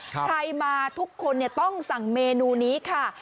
ใครมาทุกคนต้องสั่งเมนูนี้ค่ะ